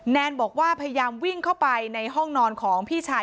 แนนบอกว่าพยายามวิ่งเข้าไปในห้องนอนของพี่ชาย